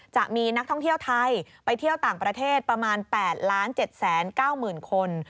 จะมีนักท่องเที่ยวไทยไปที่เที่ยวต่างประเทศประมาณ๘ล้านเจ็ดแสน๙หมื่นคน